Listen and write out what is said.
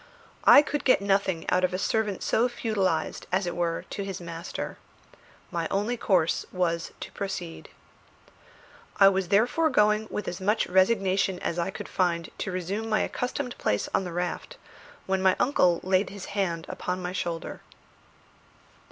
I could get nothing out of a servant so feudalised, as it were, to his master. My only course was to proceed. I was therefore going with as much resignation as I could find to resume my accustomed place on the raft, when my uncle laid his hand upon my shoulder.